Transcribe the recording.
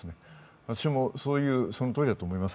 私もそのとおりだと思います。